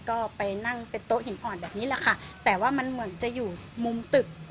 ก็ไปนั่งเป็นโต๊ะหินอ่อนแบบนี้แหละค่ะแต่ว่ามันเหมือนจะอยู่มุมตึก